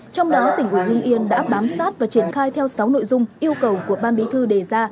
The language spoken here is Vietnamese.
trong đó tỉnh ủy hưng yên đã bám sát và triển khai theo sáu nội dung yêu cầu của ban bí thư đề ra